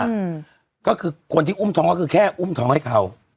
อืมก็คือคนที่อุ้มท้องก็คือแค่อุ้มท้องให้เขา